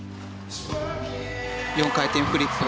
４回転フリップ。